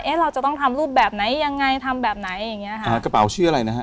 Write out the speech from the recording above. เราจะต้องทำรูปแบบไหนยังไงทำแบบไหนอย่างเงี้ค่ะอ่ากระเป๋าชื่ออะไรนะฮะ